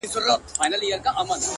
زما خبري خدايه بيرته راکه “